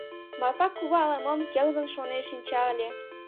Марпа кува ала-мом келгын шонен шинча ыле.